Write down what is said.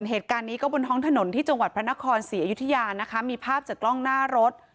เหตุการณ์นี้ก็บนท้องถนนที่จังหวัดพระนครศรีอยุธยานะคะมีภาพจากกล้องหน้ารถ